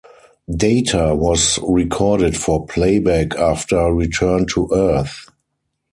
Data was recorded for playback after return to Earth.